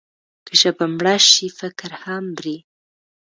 که ژبه مړه شي، فکر هم مري.